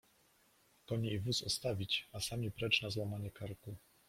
Konie i wóz ostawić, a sami precz na złamanie karku!